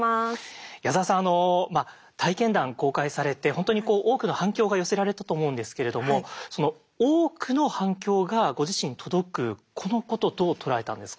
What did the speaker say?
矢沢さんあの体験談公開されて本当に多くの反響が寄せられたと思うんですけれどもその多くの反響がご自身に届くこのことどう捉えたんですか？